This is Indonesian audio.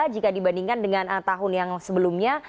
jika dibandingkan dengan tahun yang sebelumnya